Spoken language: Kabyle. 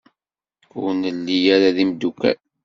Ur nelli ara d imeddukal.